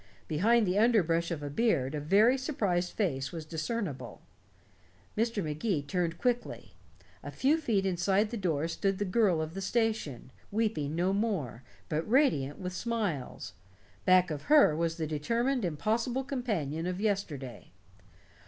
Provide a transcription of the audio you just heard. Behind the underbrush of beard a very surprised face was discernible. Mr. Magee turned quickly. A few feet inside the door stood the girl of the station, weeping no more, but radiant with smiles. Back of her was the determined impossible companion of yesterday.